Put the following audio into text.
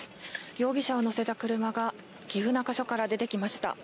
容疑者を乗せた車が岐阜中署から出てきました。